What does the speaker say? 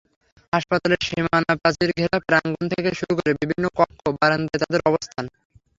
হাসপাতালের সীমানাপ্রাচীর ঘেরা প্রাঙ্গণ থেকে শুরু করে বিভিন্ন কক্ষ, বারান্দায় তাঁদের অবস্থান।